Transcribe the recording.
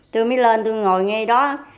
tôi mới lên tôi ngồi ngay đó